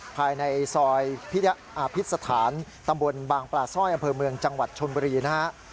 ภายในซอยอภิษฐานตำบลบางปลาสร้อยอำเภอเมืองจังหวัดชนบุรีนะฮะ